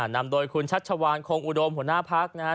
นำโดยคุณชัชวานคงอุดมหัวหน้าพักนะครับ